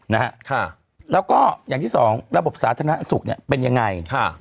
นะฮะค่ะแล้วก็อย่างที่สองระบบสาธารณสุขเนี่ยเป็นยังไงค่ะ